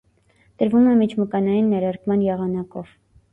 Տրվում է միջմկանային ներարկման եղանակով։